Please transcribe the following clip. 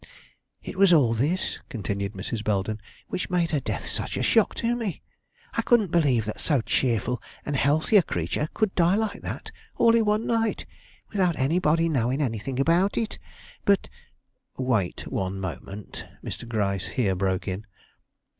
"It was all this," continued Mrs. Belden, "which made her death such a shock to me. I couldn't believe that so cheerful and healthy a creature could die like that, all in one night, without anybody knowing anything about it. But " "Wait one moment," Mr. Gryce here broke in.